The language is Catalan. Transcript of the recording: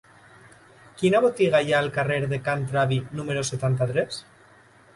Quina botiga hi ha al carrer de Can Travi número setanta-tres?